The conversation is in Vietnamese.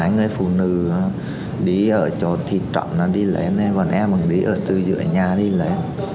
người phụ nữ đi ở chỗ thị trọng đi lên còn em đi ở từ giữa nhà đi lên